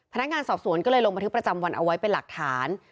พนักงานสอบสวนก็เลยลงบันทึกประจำวันเอาไว้เป็นหลักฐาน